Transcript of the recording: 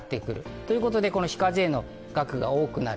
ということで、非課税の額が多くなる。